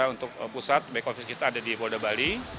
untuk pusat biaya kofis kita ada di polda bali